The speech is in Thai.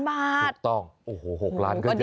ถูกต้องโอ้โห๖ล้านก็เยอะ